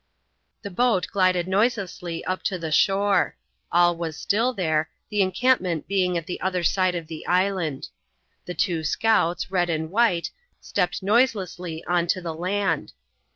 The boat glided noiselessly up to the shore. All was still there, the encampment being at the other side of the island. The two scouts, red and white, stepped noiselessly on to the land.